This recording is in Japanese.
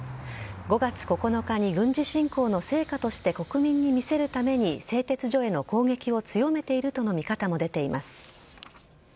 ５月９日に軍事侵攻の成果として国民に見せるために製鉄所への攻撃を強めているとの見方も出ています。